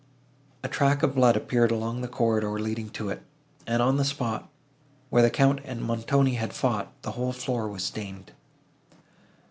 A track of blood appeared along the corridor, leading to it; and on the spot, where the Count and Montoni had fought, the whole floor was stained.